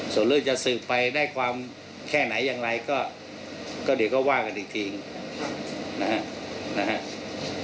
ส่วนเรื่องจะสืบไปได้ความแค่ไหนอย่างไรก็เดี๋ยวก็ว่ากันอีกทีนะฮะ